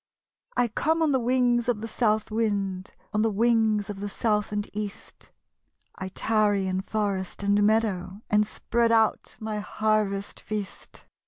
1 come on the wings of the South wind; On the wings of the South and East; I tarry in forest and meadow, And spread out my harvest feast.